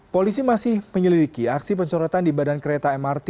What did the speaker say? polisi masih menyelidiki aksi pencorotan di badan kereta mrt